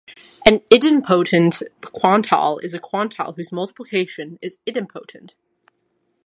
An idempotent quantale is a quantale whose multiplication is idempotent.